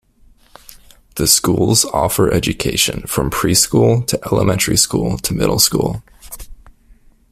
The schools offer education from Preschool to Elementary School to Middle School.